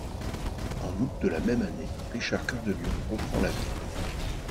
En août de la même année, Richard Cœur de Lion reprend la ville.